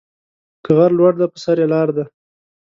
که غر لوړ دى، په سر يې لار ده.